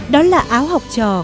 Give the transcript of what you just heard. đó là áo học trò